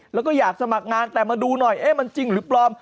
แล้วก็อยากสมัครงานแต่มาดูหน่อยเอ๊ะมันจริงหรือปลอม